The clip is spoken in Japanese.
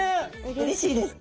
うれしいです。